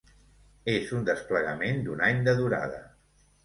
És un desplegament d'un any de durada.